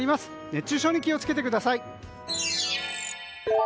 熱中症に気を付けてください。